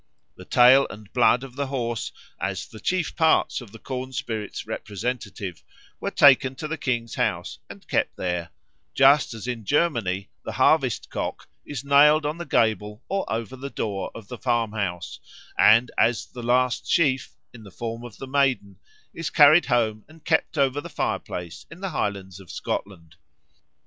The tail and blood of the horse, as the chief parts of the corn spirit's representative, were taken to the king's house and kept there; just as in Germany the harvest cock is nailed on the gable or over the door of the farmhouse; and as the last sheaf, in the form of the Maiden, is carried home and kept over the fireplace in the Highlands of Scotland.